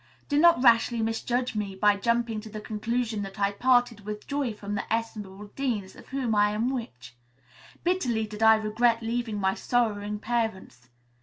Do not rashly misjudge me by jumping to the conclusion that I parted with joy from the estimable Deans of whom I am which. Bitterly did I regret leaving my sorrowing parents.